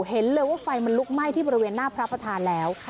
เห็นเลยว่าไฟมันลุกไหม้ที่บริเวณหน้าพระประธานแล้ว